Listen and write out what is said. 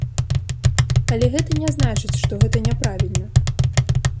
Але гэта не значыць, што гэта няправільна.